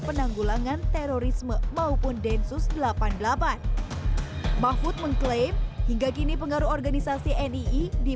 penanggulangan terorisme maupun densus delapan puluh delapan mahfud mengklaim hingga kini pengaruh organisasi nii di